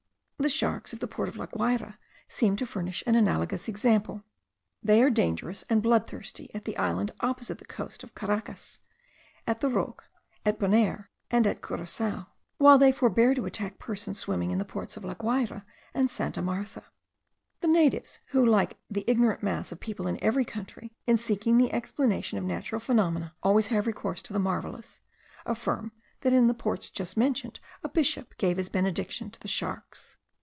The sharks of the port of La Guayra seem to furnish an analogous example. They are dangerous and blood thirsty at the island opposite the coast of Caracas, at the Roques, at Bonayre, and at Curassao; while they forbear to attack persons swimming in the ports of La Guayra and Santa Martha. The natives, who like the ignorant mass of people in every country, in seeking the explanation of natural phenomena, always have recourse to the marvellous, affirm that in the ports just mentioned, a bishop gave his benediction to the sharks.